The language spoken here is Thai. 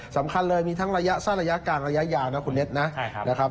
สำคัญเลยมีทั้งระยะสั้นระยะกลางระยะยาวนะคุณเน็ตนะนะครับ